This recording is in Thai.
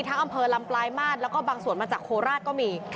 อำเภอลำปลายมาตรแล้วก็บางส่วนมาจากโคราชก็มี